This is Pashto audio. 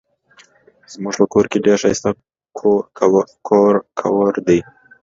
زمونږ په کور کې ډير ښايسته کوور دي